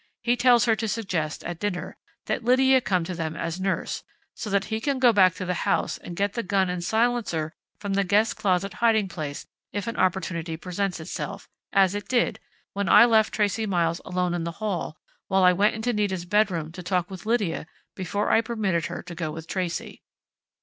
He tells her to suggest, at dinner, that Lydia come to them as nurse, so that he can go back to the house and get the gun and silencer from the guest closet hiding place, if an opportunity presents itself as it did, since I left Tracey Miles alone in the hall while I went into Nita's bedroom to talk with Lydia before I permitted her to go with Tracey."